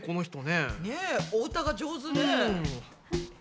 ねお歌が上手ね。